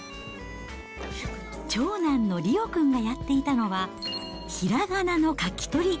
長男のリオ君がやっていたのは、ひらがなの書き取り。